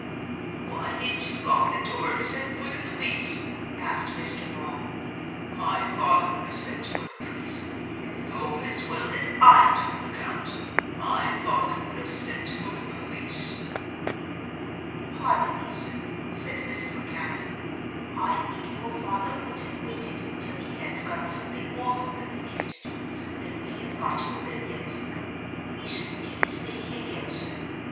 "Why didn't you lock the door and send for the police?" asked Mr. Noel. "My father would have sent for the police. You know, as well as I do, Lecount, my father would have sent for the police." "Pardon me, sir," said Mrs. Lecount, "I think your father would have waited until he had got something more for the police to do than we have got for them yet. We shall see this lady again, sir.